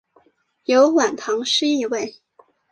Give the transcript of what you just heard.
有晚唐诗意味。